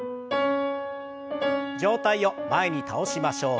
上体を前に倒しましょう。